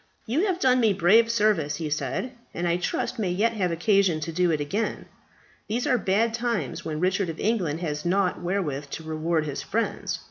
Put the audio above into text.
"You have done me brave service," he said, "and I trust may yet have occasion to do it again. These are bad times when Richard of England has nought wherewith to reward his friends.